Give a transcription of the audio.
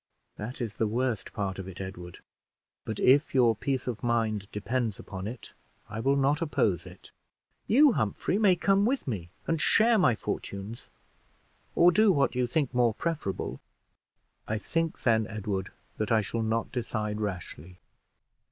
"That is the worst part of it, Edward; but if your peace of mind depends upon it, I will not oppose it." "You, Humphrey, may come with me and share my fortunes, or do what you think more preferable." "I think then, Edward, that I shall not decide rashly.